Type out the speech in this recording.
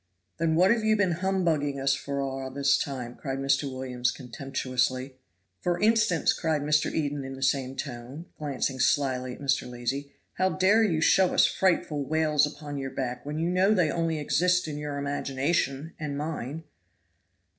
"Then what have you been humbugging us for all this time," cried Mr. Williams contemptuously. "For instance," cried Mr. Eden in the same tone, glancing slyly at Mr. Lacy, "how dare you show us frightful wales upon your back when you know they only exist in your imagination and mine."